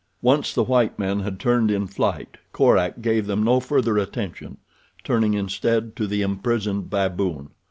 Once the white men had turned in flight Korak gave them no further attention, turning instead to the imprisoned baboon.